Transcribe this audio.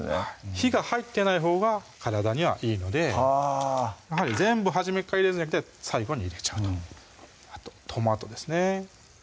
火が入ってないほうが体にはいいので全部初めから入れるんじゃなくて最後に入れちゃうとトマトですね